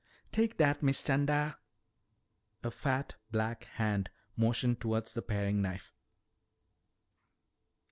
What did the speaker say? "Take dat, Miss 'Chanda." A fat black hand motioned toward the paring knife.